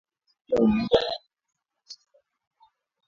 pia unaweza tumia maji yaliyochemshwa na kupozwa